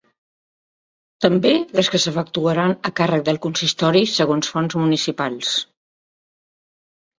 També les que s’efectuaran a càrrec del consistori, segons fonts municipals.